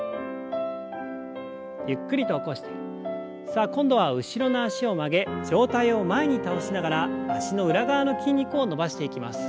さあ今度は後ろの脚を曲げ上体を前に倒しながら脚の裏側の筋肉を伸ばしていきます。